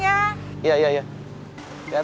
terima kasih ya bang